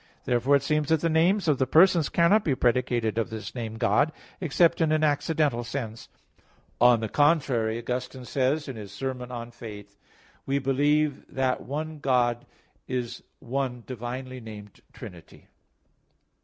Therefore it seems that the names of the persons cannot be predicated of this name "God," except in an accidental sense. On the contrary, Augustine says, in his sermon on Faith [*Serm. ii, in coena Domini], "We believe that one God is one divinely named Trinity."